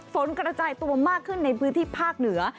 ฝนกระจายตัวมากขึ้นในพื้นที่ภาคเหนือ